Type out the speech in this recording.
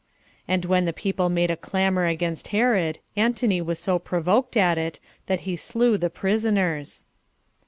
And when the people made a clamor against Herod, Antony was so provoked at it, that he slew the prisoners.